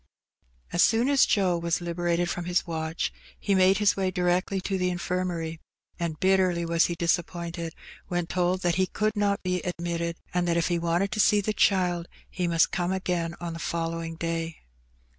As soon as Joe was liberated from his watch, he made his way direct to the Infirmary, and bitterly was he disap pointed when told that he could not be admitted, and that if he wanted to see the child he must come again on the following day.